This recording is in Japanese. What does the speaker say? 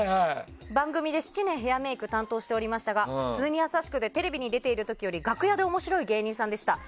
番組で７年ヘアメイクを担当しておりましたが普通にやさしくてテレビに出ている時より楽屋で面白い人でした。